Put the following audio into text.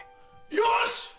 よし！